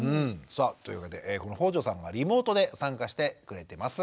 さあというわけで北條さんがリモートで参加してくれてます。